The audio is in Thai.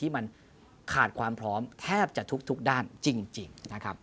ที่มันขาดความพร้อมแทบจะทุกด้านจริงนะครับ